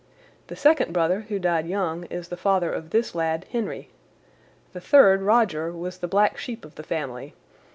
The second brother, who died young, is the father of this lad Henry. The third, Rodger, was the black sheep of the family.